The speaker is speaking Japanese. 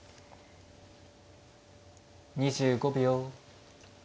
２５秒。